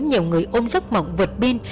nhiều người ôm giấc mộng vượt biên